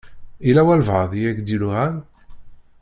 Yella walebɛaḍ i ak-d-iluɛan?